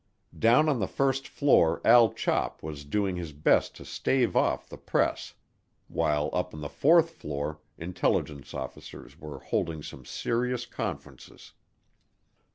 Down on the first floor Al Chop was doing his best to stave off the press while up on the fourth floor intelligence officers were holding some serious conferences.